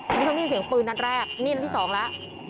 มันต้องกินเสียงปืนนัดแรกนี่นัดที่๒ละ